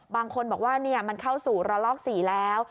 บางคนบอกว่ามันเข้าสู่ระลอก๔แล้ว